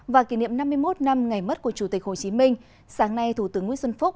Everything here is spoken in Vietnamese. và kỷ niệm năm mươi một năm ngày mất của chủ tịch hồ chí minh sáng nay thủ tướng nguyễn xuân phúc